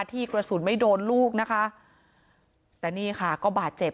ที่กระสุนไม่โดนลูกนะคะแต่นี่ค่ะก็บาดเจ็บ